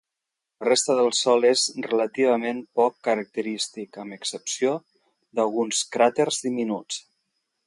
La resta del sòl és relativament poc característic, amb excepció d'alguns cràters diminuts.